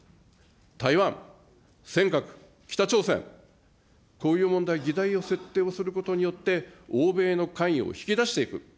台湾、尖閣、北朝鮮、こういう問題、議題を設定することによって、欧米の関与を引き出していく。